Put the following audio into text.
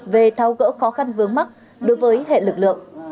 về thao gỡ khó khăn vướng mắt đối với hệ lực lượng